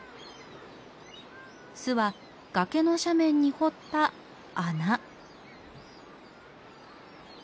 巣は崖の斜面に掘った穴。